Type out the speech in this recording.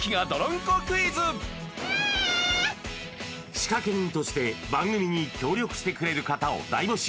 仕掛人として番組に協力してくれる方を大募集